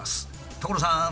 所さん！